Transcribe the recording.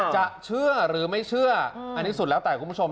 เชื่อหรือไม่เชื่ออันนี้สุดแล้วแต่คุณผู้ชม